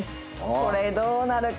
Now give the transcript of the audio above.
これどうなるか。